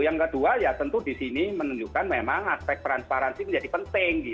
yang kedua ya tentu di sini menunjukkan memang aspek transparansi menjadi penting